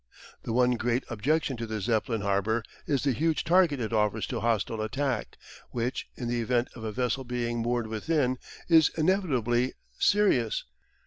The one great objection to the Zeppelin harbour is the huge target it offers to hostile attack, which, in the event of a vessel being moored within, is inevitably serious.